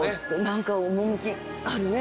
何か趣あるね。